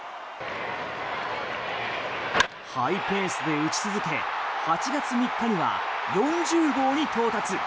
ハイペースで打ち続け８月３日には４０号に到達。